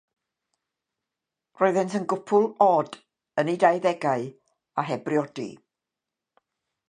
Roeddent yn gwpl od, yn eu dauddegau, a heb briodi.